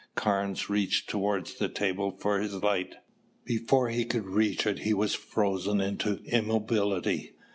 Carnes reached toward the table for his light. Before he could reach it he was frozen into immobility.